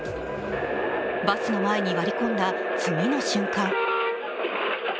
バスの前に割り込んだ次の瞬間